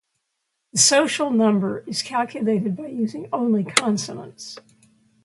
The social number is calculated by using only consonants.